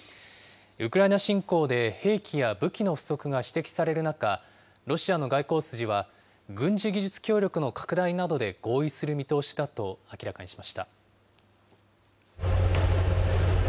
ウクライナ侵攻で兵器や武器の不足が指摘される中、ロシアの外交筋は軍事技術協力の拡大などで合意する見通しだと明らかにしました。